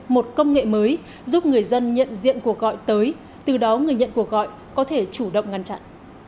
một công nghệ mới giúp người dân nhận diện cuộc gọi tới từ đó người nhận cuộc gọi có thể chủ động ngăn chặn